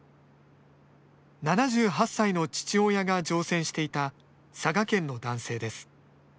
７８歳の父親が乗船していた佐賀県の男性です。